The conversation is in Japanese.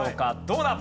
どうだ？